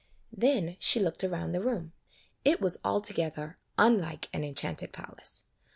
Then she looked around the room. It was altogether unlike an enchanted palace.